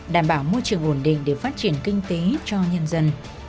đảm bảo môi trường ổn định để phát triển kinh tế cho nhân dân